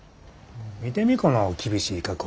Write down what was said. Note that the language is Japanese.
見てみこの厳しい加工。